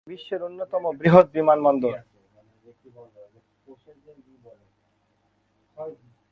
এটি বিশ্বের অন্যতম বৃহৎ বিমানবন্দর।